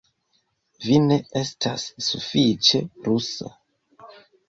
Vi ne estas sufiĉe rusa